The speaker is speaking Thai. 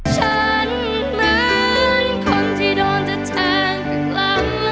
ฉันเหมือนคนที่โดนจะแทงหลัง